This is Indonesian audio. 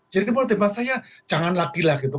jadi mau tempat saya jangan lagi lah gitu